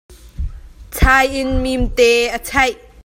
Chai in mimte a chaih.